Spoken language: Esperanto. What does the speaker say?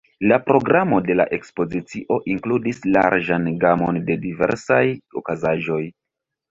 La programo de la ekspozicio inkludis larĝan gamon de diversaj okazaĵoj.